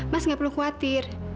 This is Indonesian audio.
mas gak perlu khawatir